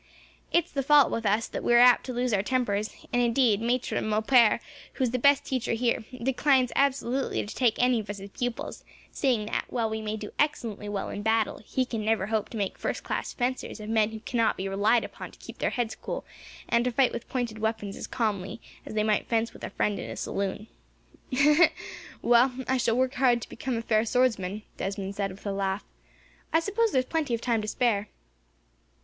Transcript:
It is the fault with us all that we are apt to lose our tempers, and indeed Maitre Maupert, who is the best teacher here, declines absolutely to take any of us as pupils, saying that, while we may do excellently well in battle, he can never hope to make first class fencers of men who cannot be relied upon to keep their heads cool, and to fight with pointed weapons as calmly as they might fence with a friend in a saloon." "Well, I shall work hard to become a fair swordsman," Desmond said, with a laugh. "I suppose there is plenty of time to spare."